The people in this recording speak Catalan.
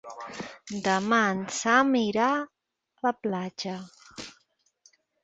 Demà en Sam irà a la platja.